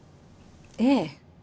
ええ。